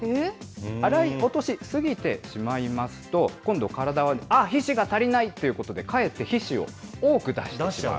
洗い落とし過ぎてしまいますと、今度、体は、あっ、皮脂が足りないということで、かえって皮脂を多く出してしまう。